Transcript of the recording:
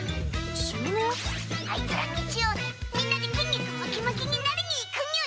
アイツら日曜にみんなで筋肉ムキムキになりにいくにゅい！